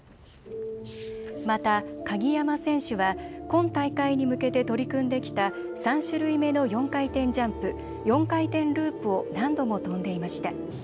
また、鍵山選手は今大会に向けて取り組んできた３種類目の４回転ジャンプ、４回転ループを何度も跳んでいました。